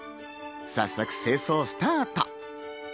早速、清掃スタート。